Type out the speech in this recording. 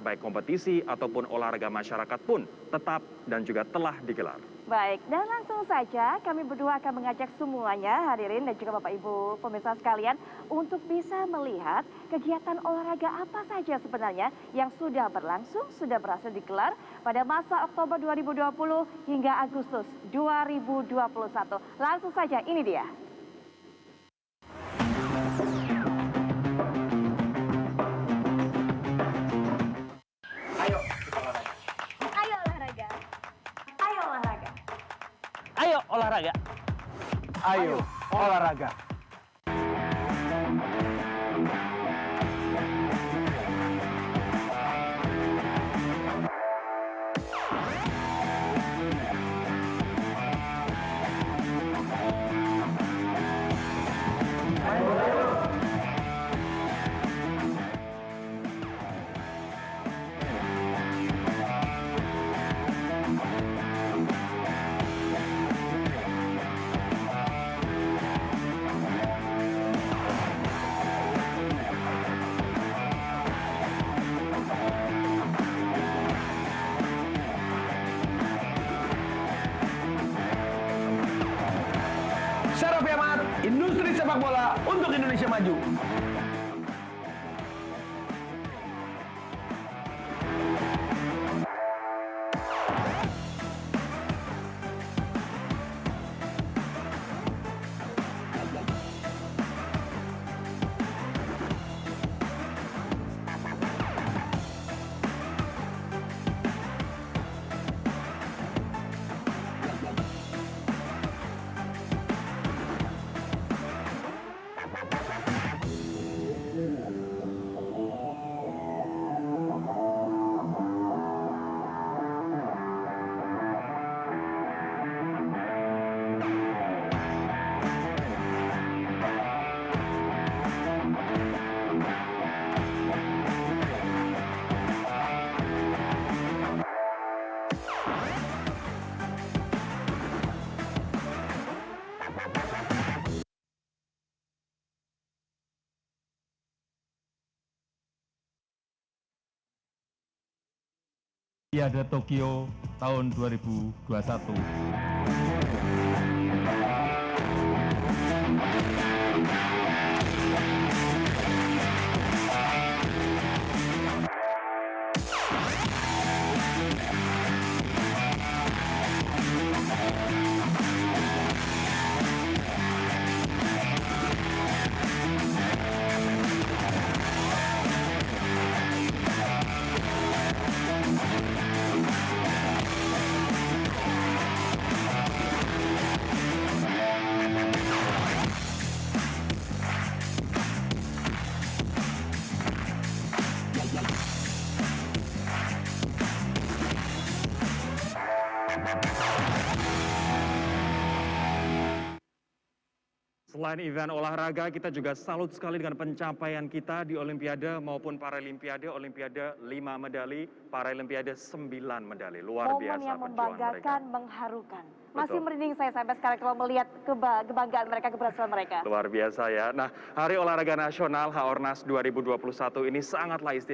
betul nah kita juga tahu bahwa olimpiade dan para olimpiade tokyo baru saja selesai